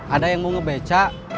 ada yang mau ngebecak